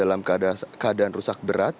ada keadaan rusak berat